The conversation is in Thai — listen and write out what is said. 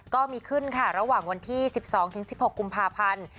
ก็มีขึ้นค่ะระหว่างวันที่๑๒๑๖กุมภาพันธ์